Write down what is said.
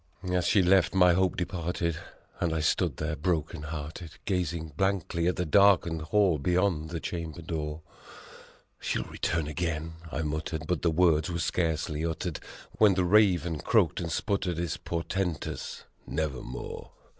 9 As she left, my hope departed, and I stood there broken hearted, Gazing blankly at the darkened hall beyond the chamber door. "She'll return again," I muttered, but the words were scarcely uttered When the Raven croaked and sputtered his por tentous "Nevermore!"